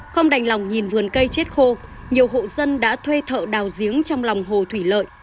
không đành lòng nhìn vườn cây chết khô nhiều hộ dân đã thuê thợ đào giếng trong lòng hồ thủy lợi